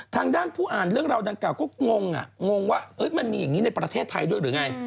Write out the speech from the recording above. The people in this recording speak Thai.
ทางด้านผู้อ่านเรื่องราวดังกล่าก็งงว่ามันมีอย่างนี้ในประเทศไทยด้วยหรือไง